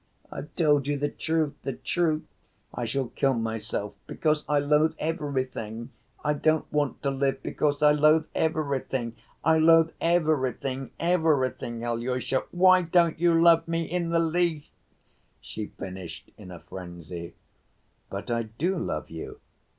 I've told you the truth, the truth. I shall kill myself, because I loathe everything! I don't want to live, because I loathe everything! I loathe everything, everything. Alyosha, why don't you love me in the least?" she finished in a frenzy. "But I do love you!"